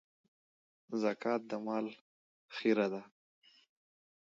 زکات د مال خيره ده.